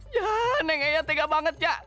ya nenek ella tega banget ya